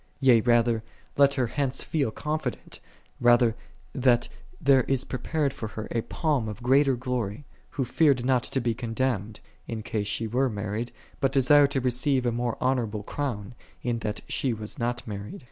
Yea rather, let her hence feel confident, rather, that there is prepared for her a palm of greater glory, who feared not to be condemned, in case she were married, but desired to receive a more honorable crown, in that she was not married.